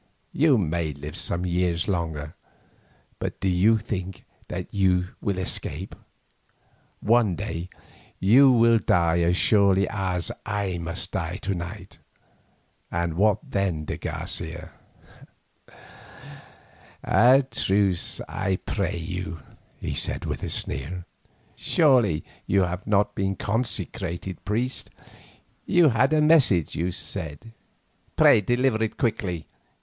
You may live some years longer, but do you think that you shall escape? One day you will die as surely as I must die to night, and what then, de Garcia?" "A truce, I pray you," he said with a sneer. "Surely you have not been consecrated priest. You had a message, you said. Pray deliver it quickly.